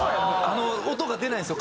音が出ないんですよ